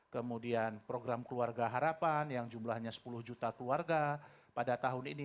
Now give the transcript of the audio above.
kemudian program keluarga harapan yang jumlahnya sepuluh juta keluarga pada tahun ini